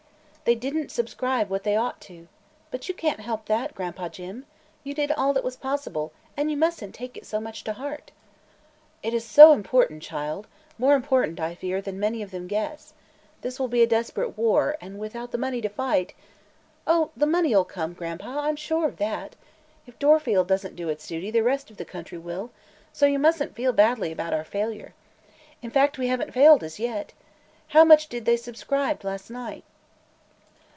They didn't subscribe what they ought to. But you can't help that, Gran'pa Jim! You did all that was possible, and you mustn't take it so much to heart." "It is so important, child; more important, I fear, than many of them guess. This will be a desperate war, and without the money to fight " "Oh, the money'll come, Gran'pa; I'm sure of that. If Dorfield doesn't do it's duty, the rest of the country will, so you mustn't feel badly about our failure. In fact, we haven't failed, as yet. How much did they subscribe last night?"